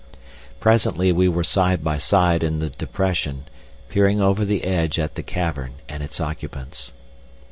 Presently we were side by side in the depression, peering over the edge at the cavern and its occupants.